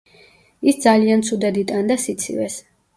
ის ძალიან ცუდად იტანს სიცივეს.